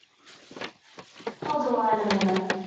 Hold the line a minute.